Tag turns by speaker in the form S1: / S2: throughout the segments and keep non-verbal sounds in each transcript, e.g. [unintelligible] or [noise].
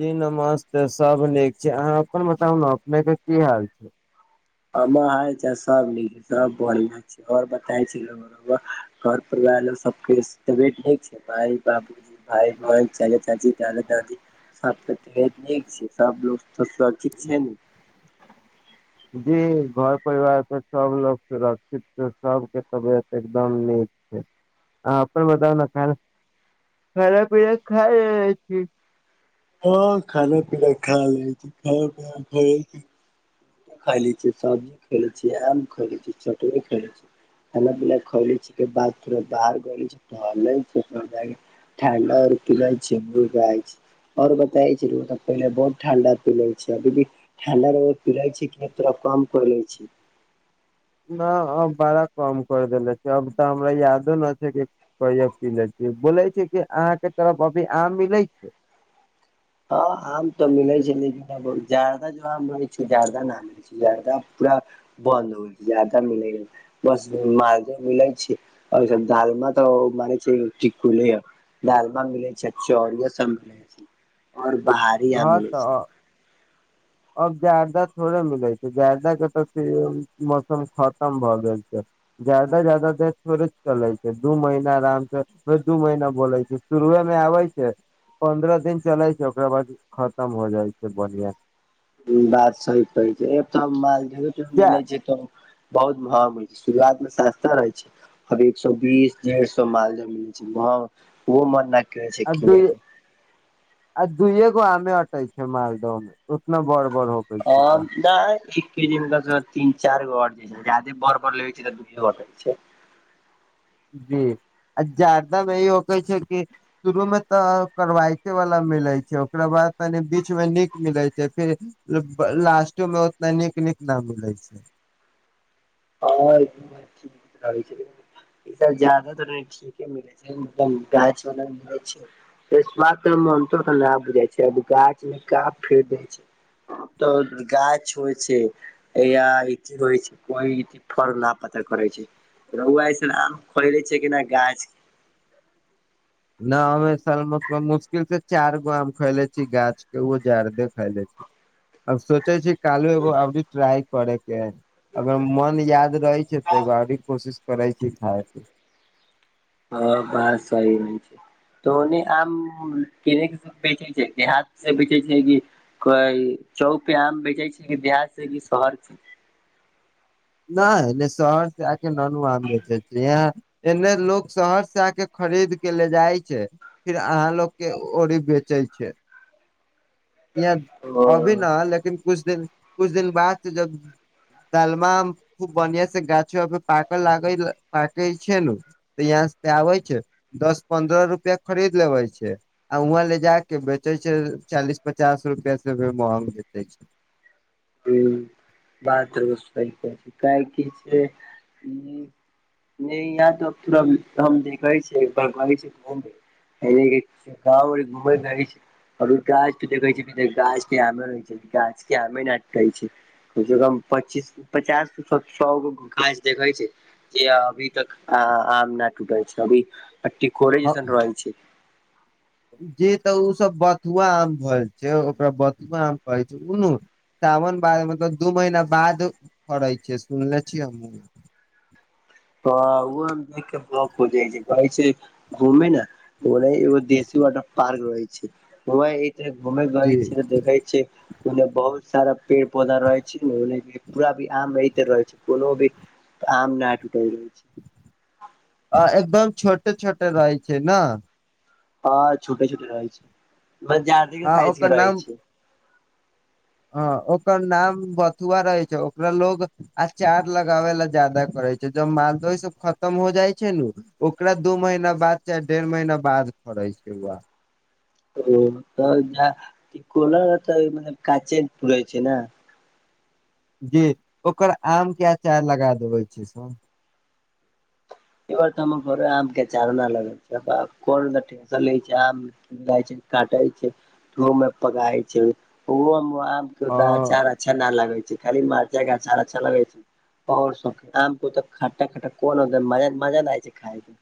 S1: जी नमस्ते सब नीक छै अहाँ अपन बताउ नऽ अपने केँ की हाल छै
S2: हमर हाल चाल सब नीक सब बढ़िया छै और बताय छी। घर परिवार सब केँ ओ तबियत नीक छै माइ बाबू भाई बहन चाचा चाची दादा दादी सब केँ तबियत नीक छै सब लोग कुशल
S1: [inaudible]
S2: [inaudible]
S1: जी घर परिवार प सब लोग सुरक्षित छै सबकेँ तबियत एकदम नीक [inaudible] अहा अपन बताउ न [inaudible] खाना पीना खा लेने छी
S2: हाँ खाना पीना खा लै छी [unintelligible] की खाय ले छी सब्जी खाय ले छी आम खेय ले छी चटनी खाय ले छी खाना पीना खो ले छी के बाद तुरत बाहर [unintelligible] [unintelligible] और बताे छै पहिले बहुत ठंडा पले छै अभी भी ठंडा [unintelligible]
S1: न हम बड़ा कम कैय दैलै छी अब तऽ हमरा यादो नै छै कि कहियो पी लीय छी बोलै छी कि अहाँकेँ तरफ अभी आम मिलै छै।
S2: हाँ आम तऽ मिलै छै लेकिन बहुत जादा जो आम रहे छै जादा नै जरदा पूरा बन्द हो छै जरदा मिलै नै अय। बस मालदे मिले छैय और दालमा तऽ माने छै टिकुले ह दलमा मिलै छैय चोरीया सब मिलै छैय। और बाहर
S1: हाँ तऽ
S2: [inaudible]
S1: अब जर्दाथोड़े मिलै छै जर्दा केँ तऽ मौसम खतम भए गेल छै। जर्दा जादा देर थोड़े चलै छैय। दू महीना आराम से दू महीना बोलै छैय। शुरुए मे आबै छैय [inaudible] पन्द्रह दिन चलै छैय ओकरा बाद। खतम हो जाइ छैय बढिया।
S2: बात सही कहै छैय ऐतऽ मालदहे टबा
S1: जा
S2: मिलै छै तऽ बहुत महंग होइ छैय शुरुआत में सस्ता रहे छैय। एक सौ बीस डेर सौ में मालदय मिलै छैय महग उहो मन ना
S1: [unintelligible] आ दुए गो आमे अटै छै मालदह में उतना बड़ बड़ हो
S2: [unintelligible] नै एक केजी मे जादा से जादा तीन चार गो अट छैय। जदे बड़ बड़ लेबै छैय दुगो आटय छैय।
S1: जी [unintelligible] ए होकै छै कि शुरू मे तऽ करवायके वाला मिलैत छैय। ओकरा बाद तनि बीच मे नीक मिलैत छै फिर लास्टो में अतऽ नीक नीक न मिलै छैय।
S2: [unintelligible] [unintelligible] [unintelligible] तऽ गाछ होइ छैय या अथी रहै है पैग फल ल पता करै छै रौआ अऐसन आम खोले छै की ना गाछ
S1: न हमर यै साल म मुशकिल से चार गो आम खैइलऽ छी गाछ केँ उहो जर्दा खैले छी अब सोचे छी कालो एगो अबी ट्राय करे केँ अगर मन याद रहै छै तऽ एगो ओरी कोशिश करै छी खायके
S2: ह बात सही नै छै [unintelligible] कोइ चौक पे आम बेचै छै कि बिहार से कि शहर से
S1: नै नहि शहर से आ ननू आम बेचे छे एने लोग शहर से आके खरीद केँ ले जाइ छै फिर अहाँ लोग केँ ओरी बेचै छै यहाँ
S2: ओ
S1: अभी न लेकिन कुछ दिन कुछ दिन बाद जब दालमे खूब बनिहा से गाछ पकल लागे पाक छै नू इहै से तऽआबै छै दस पन्द्रह रुपआ खरीद लेबे छै आ वहाँ ले जा केँ बेचे छै चालीस पचास रुपआ से भी महंग बेचे छै
S2: [unintelligible] [unintelligible] ए गांव घुमै नइ छै और गछ तऽ देखे छ गाछ केँ आमे रहै छै गाछ केँ आमे रहै छै कम से कम पच्चीस पचास सौ गो गाछ देखै छै जे अभी तक आम न टूटे छै अभी तऽ टिकोले जैसन रहै छै
S1: जे तऽ ओ सभ बथुआ आम भेल छै ओकरा बथुआ आम कहै छै उनू सावन बारे तऽ दू महीना बाद फड़ै छै सुनले छियै हमहूँ
S2: तऽ ओ देख कऽ बक हो जाइ छै कहै छै घुम ने ओने एगो देशी वाटर पार्क रहै छै ओ घूमे गैल
S1: जी
S2: छिय देखै छी ओन्ने बहुत सारा पेड़ पौधा रहे छै ने ओन्ने पूरा भी आम रहिते रहै छै कोनो भी आम नै टूटइ रहै छै
S1: हा एकदम छोटे छोटे रहै छै न
S2: हँ छोटे छोटे रहै छै [inaudible] बा जादेओ
S1: आ
S2: साइज केँ
S1: ओकर
S2: रहै छै
S1: ह ओकर नाम बथुआ रहै छै ओकरा लोग आचार लगाबे लऽ जाहा करे छै जब मालदह सब खतम हो जाइ छै नु ओकरा दू महीना बाद चाहे डेढ़ महीना बाद फड़ै छै ओ आम
S2: [unintelligible]
S1: जी ओकर आम केँ अचार लगा देबे छै सब
S2: ऐ बेरे तऽ हम घर आम कऽ अचार ना लगे छै कोन टेशन लै छै आम [unintelligible]
S1: आ
S2: अच्छा न लाग छै खाली मरचाइ केँ आचार अच्छा लगै छै और सब कहियो आम कऽ तऽ खट्टा खट्टा कोन मज मजा नै छै खाय मे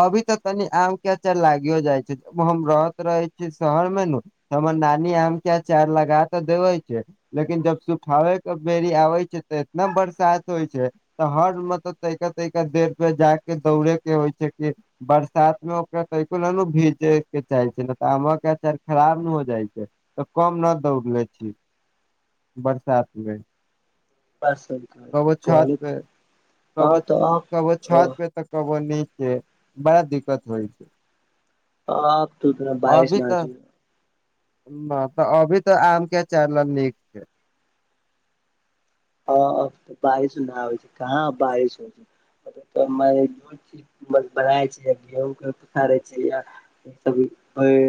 S1: अभी तऽ तनि आम कऽ अचार लागियो जाइ छै हम रहत रहे छीय शहर मे नु हमर नानी आम कऽ अचार लगा तऽ देवै छै लेकिन जब सुखावे कऽ बेरी आबै छै तऽ इतना बरसात होइ छै हर मत तैका तैका देर पे जा केँ दौड़े केँ होइ छै कि बरसात मे ओकरा तनिको नै भीजे केँ चाहे छै न तऽ आम केँ अचार खराब नु हो जाइ छै तऽ कम नै दौड़ ले छी [inaudible] बरसात मे
S2: [unintelligible]
S1: कवो छत
S2: कहली
S1: पे [inaudible]
S2: तऽ
S1: कवो
S2: अब तऽ
S1: कवो छत
S2: अब
S1: पे तऽ कबो निचे बड़ा दिक्कत होइ छै
S2: अब तु अतना बारिश
S1: अभी
S2: नै
S1: तऽ न तऽ अभी तऽ आम केँ अचार लऽ नीक छै
S2: हाँ अब तऽ बारिश नै आबै छै कहाँ बारिश होय छै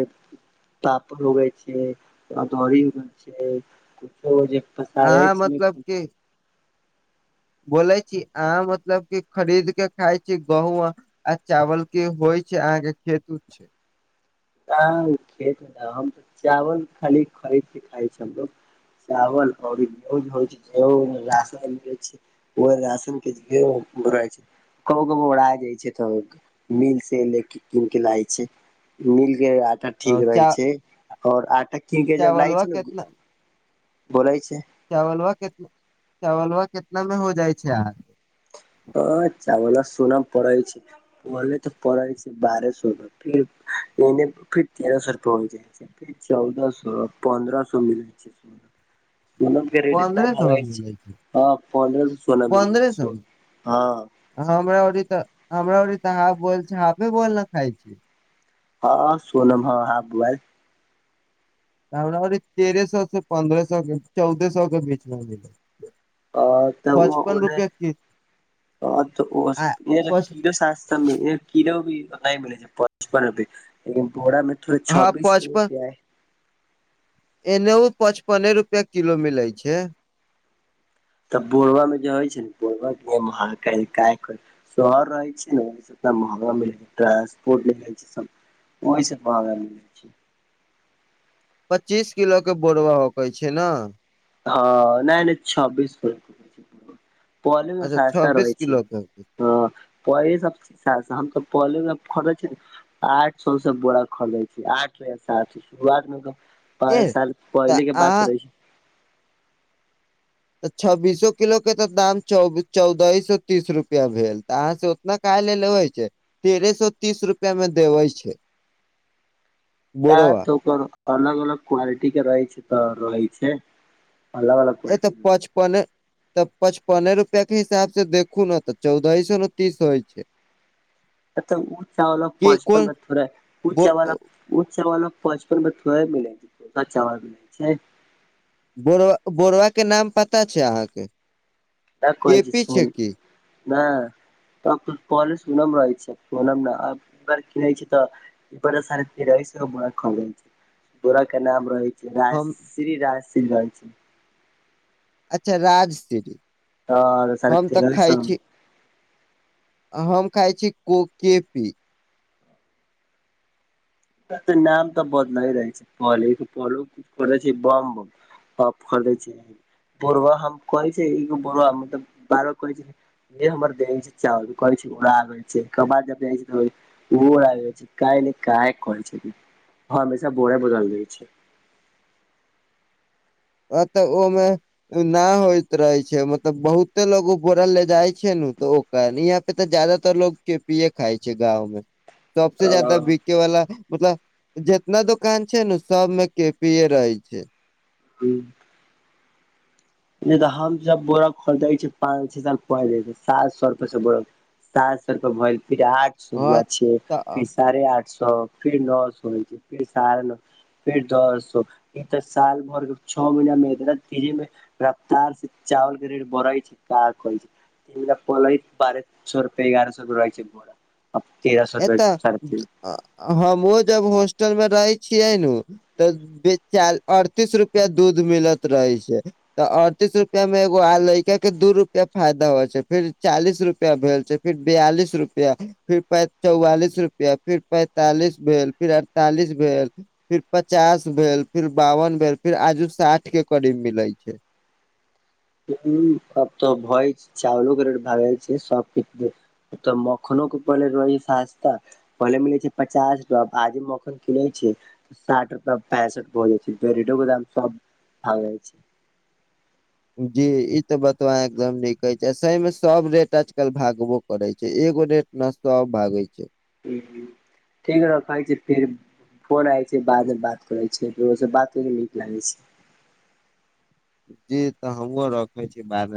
S2: [inaudible] [unintelligible] पापड़ उगे छै अदौरी उगे छै तऽ ओ जे पसारय
S1: अहाँ
S2: छै
S1: मतलब बोलय छी अहाँ मतलब की खरीद के खाय छी गहूं आ चावल केँ होय छय अहाँ केँ खेत उत छय
S2: नै उऽ खेत कऽ नै हम चावल खाली खरीद केँ खाइ छी हमलोग चावल आउरी [unintelligible] होय छै [unintelligible] राशन मिलै छैय ओय राशन केँ ढ़ेर बोरा छै कबो कबो ओरा जाइ छै तऽ मिल से ले कीन केँ लाय छै मिल केँ आटा ठीक रहै
S1: चा
S2: छै आओर आटा कीन केँ जब लाय
S1: चावलवा
S2: छै नऽ
S1: केतना
S2: बोलै छै
S1: चावलवा केँ चावलवा केतना मे होय जाय छै आ
S2: हँ चावलवा सुना पड़ै छै पहले तऽ परै छै बारह सौ रुपये फिर एने फिर तेरह सौ रुपए हो जाय छै चौदह सौ पन्द्रह सौ मिलै छै सोना केँ रेट इतना
S1: पन्द्रह सए मे
S2: भागैत
S1: मिलै
S2: छै पन्रह सौ सोना मिलै
S1: पन्द्रह
S2: छै सोलह
S1: सए
S2: सौ
S1: मे
S2: हँ
S1: हमरा ओरी तऽ हमरा ओरी तऽ हाफ बोल छै हाफे बोल नऽ खाय छै
S2: हँ सोनम हँ हाफ बुआइल
S1: हमरा ओरी तेरे सौ सँ पन्द्रह सौ चौदह सौ केँ बिच [unintelligible]
S2: अ तऽ उ उने [unintelligible]
S1: आ पच
S2: कीलो भी नय मिलै छै पचपन रुपए लेकिन बोरा मे थोड़े
S1: हँ
S2: छब्बीस रुपय
S1: एनहुँ पचपने रुपया किलो मिलै छै
S2: तऽ बोरवा मे जे होइ छै नऽ बोरावा मे [unintelligible] शहर रहय छै नुऽ तऽ महँगा मिलय ट्रांसपोट [unintelligible] ओहि सँ महगा मिलै
S1: पच्चीस किलो केँ बोरबा होके छै नऽ
S2: हँ नय - नय छब्बीस किलो पहले नु
S1: अच्छा
S2: सास्ता रहै
S1: छब्बीस
S2: छै
S1: किलो के
S2: हँ पहिले सबसँ सस्ता हम सब पहले बला खरीदै छि नऽ आठ सौ सँ बोरा खरदैय छी आठ या सात सौ [unintelligible]
S1: ए
S2: पाँच साल
S1: तऽ
S2: पहले केँ बात
S1: अहाँ
S2: रहै छै
S1: तऽ छब्बीसो किलो केँ तऽ दाम चौबी चौदहे सौ तीस रुपया भेल तऽ अहाँसँ उतना काहे ले लेबै छै तेरहे सौ तीस रुपया मे देबै छै
S2: [inaudible] हँ
S1: बोरवा
S2: तऽ ओकर अलग अलग क्वालिटी केँ रहै छै तऽ रहै छै अलग अलग
S1: ए तऽ
S2: क्वालिटी
S1: पच पने तऽ पचपने रुपया केँ हिसाब से देखू नऽ तऽ चौदहि सौ नऽ तीस होइ छै
S2: एते ऊच चावला
S1: के
S2: पचपन
S1: कोन
S2: पर थोड़े ऊ
S1: बो
S2: चावल उ चावला आब पचपन रुपैय थोड़े मिलै छै [unintelligible] चावल मिल छैय
S1: बोरवा - बोरवा केँ नाम पता छै अहाँकेँ
S2: तऽ कहै सी सुन नाय तब तऽ पहले सोनम रहै छै सोनम नऽ आब किनै छी तऽ ओई पर तऽ सारे तेरहिस सौ लिखल रहै बोरा केँ नाम रहै राय
S1: हम
S2: श्री राय श्री रज
S1: अच्छा राज श्री
S2: हँ तऽ साढ़े तरहि सौ मे
S1: आ हम खाय छी को - के -पी
S2: तऽ नाम तऽ बदलै रहै छैय पले पल किछ करै छै बमब हम खरदै छियै बोरवा हम कहै छै एगो बोरवा मतलब बारह कहै छै हे हमर देन छै चावल कहै छै ओड़ आ छै [unintelligible] ओ काय न काय करै छहि हमेशा बोरा बदल दैछय
S1: अतऽ ओमे न होइत रहै छै मतलब बहुते लोग बोरल ले जाइ छै ने तऽ ओ यहाँ पे तऽ ज्यदातर लोग केपिये खाइ छै गाँंव मे सबस ज्यदा के वा मतलब जितना दुोकान छै नऽ सबमे के पिए रहै छै
S2: हूँ नहि तऽ हमस बोरक खोदै छ पाँच छओ साल पहुच जाइ छै सात सए रुपए से बोर सात सए रुप भ फिर आठ सए
S1: हँ
S2: हुआ छ
S1: तऽ
S2: फर साढ़े आठ सए फिर नओ सए होइ छै फिर सढ़ नओ फेर दस ई तऽ साल भर छओ महिनामे इतना तेजीमे रफ्तार से चावल कऽ रेट बढ़इ छै कऽ छै तरा पलय बारे स रुपे एगारह सर रहै छै बोरा [unintelligible]
S1: एतऽ
S2: साढ़े तेरह
S1: हमहु जब होॉस्टल मऽ रहै छियै नऽ तऽ चालि अड़तीस रुपआ दूध मिलत रहै छै तऽ अड़तीस रुपआ में एगो आ लइका के दू रुपआ फायदा होइ छै फिर चालीस रुपआ भेल छै फिर बयालिस रुपआ फिर प चौवालिस रुपआ फिर पैंतालिस भेल फिर अड़तालिस भेल फिर पचास भेल फिर बावन भेल फिर आजु साठ कऽ करीब मिले छै
S2: ह सबब तऽ भय छै चाावलो कर भाग छै सब कऽ तऽ मखनो कऽ पड़ले रै ससतऽ पहिले मिलै छै पचास रुपआ आज मखन किनै छै साठ रपा पैंसठि रप हो जाइ छै पेटोो दाम सब भाग जाइ छै
S1: जी ई तऽ बतबा एकदम न कहे छै सब रेट आजकल भागबो करै छै एगो रडेट नस्तो सब भागै छै
S2: ह ठीक ह त कहै छै फिर फोन आय छै बाद मे बात करे छै फर ओ बात करय नीक लागे छै
S1: जी तऽ हमहु रखे छी बाद मऽ